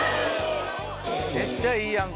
めっちゃいいやん